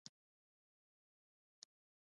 د اختطافونو مخه نیول شوې